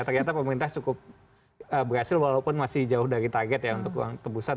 ternyata pemerintah cukup berhasil walaupun masih jauh dari target ya untuk uang tebusan